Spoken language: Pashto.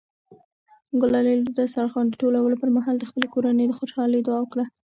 ګلالۍ د دسترخوان د ټولولو پر مهال د خپلې کورنۍ د خوشحالۍ دعا وکړه.